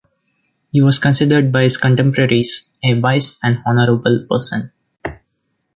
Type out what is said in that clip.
He was considered by his contemporaries a wise and honorable person.